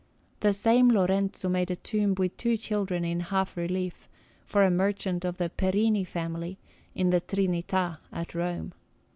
The same Lorenzo made a tomb with two children in half relief, for a merchant of the Perini family, in the Trinità at Rome.